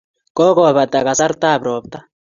Kokopata kasartap ropta.